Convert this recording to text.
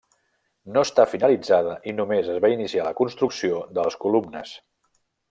No està finalitzada i només es va iniciar la construcció de les columnes.